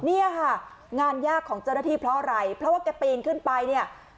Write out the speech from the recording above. เนี่ยค่ะงานยากของเจ้าหน้าที่เพราะอะไรเพราะว่าแกปีนขึ้นไปเนี่ย